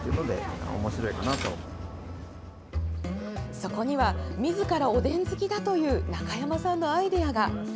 そこには、みずからおでん好きだという中山さんのアイデアが。